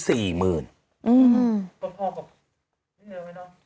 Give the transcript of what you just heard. กัมพวกกว่า